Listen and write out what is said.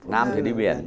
nam thì rơi đi biển